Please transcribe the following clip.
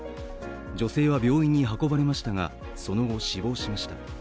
女性は病院に運ばれましたがその後死亡しました。